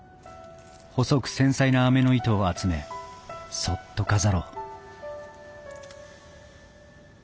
細く繊細なあめの糸を集めそっと飾ろう